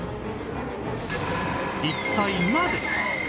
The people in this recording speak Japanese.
一体なぜ？